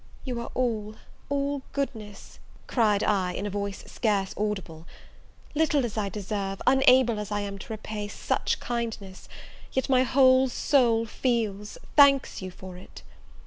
"You are all, all goodness!" cried I, in a voice scarce audible; "little as I deserve, unable as I am to repay, such kindness, yet my whole soul feels, thanks you for it!"